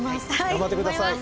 頑張って下さい。